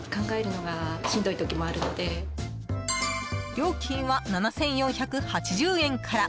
料金は７４８０円から。